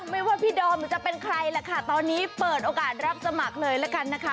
ไม่ว่าพี่ดอมจะเป็นใครล่ะค่ะตอนนี้เปิดโอกาสรับสมัครเลยละกันนะคะ